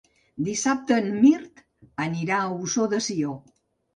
Dissabte en Mirt anirà a Ossó de Sió.